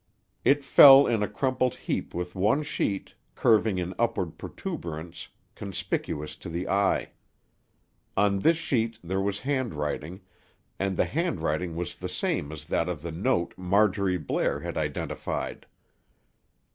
It fell in a crumpled heap with one sheet, curving in upward protuberance, conspicuous to the eye. On this sheet there was handwriting, and the handwriting was the same as that of the note Marjorie Blair had identified.